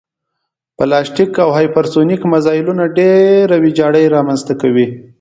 بلاستیک او هیپرسونیک مزایلونه ډېره ویجاړي رامنځته کوي